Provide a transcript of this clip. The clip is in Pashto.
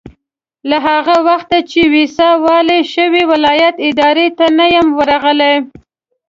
له هغه وخته چې ويساء والي شوی ولایت ادارې ته نه یم ورغلی.